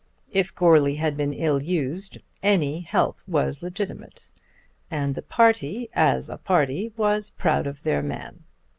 If Goarly had been ill used any help was legitimate, and the party as a party was proud of their man.